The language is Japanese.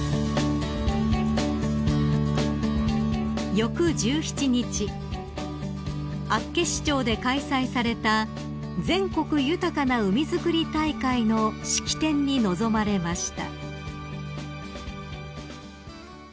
［翌１７日厚岸町で開催された全国豊かな海づくり大会の式典に臨まれました］